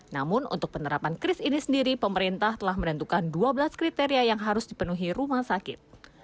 namun untuk penerapan kris ini sendiri pemerintah telah menentukan dua belas kriteria yang harus dipenuhi rumah sakit